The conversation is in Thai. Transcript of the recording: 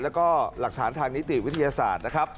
แล้วก็หลักฐานทางนิติวิทยาศาสตร์นะครับ